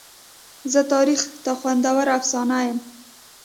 زه تاریخ ته خوندوره افسانه یمه.